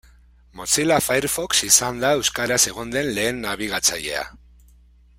Mozilla Firefox izan da euskaraz egon den lehen nabigatzailea.